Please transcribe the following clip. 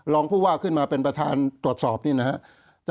รองผู้ว่าขึ้นมาเป็นประธานตรวจสอบนี่นะครับ